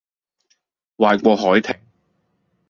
壞過凱婷